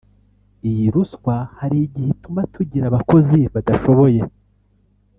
Iyi ruswa hari igihe ituma tugira abakozi badashoboye